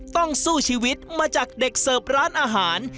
ต้องสู้ชีวิตมาจากเด็กเสิร์ฟร้านอาหาร